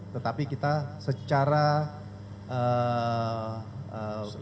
tetapi kita secara sosial